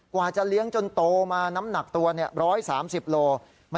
กว่าจะเลี้ยงจนโตมาน้ำหนักตัว๑๓๐โล